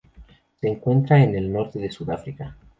Se encuentra en el norte de Sudáfrica.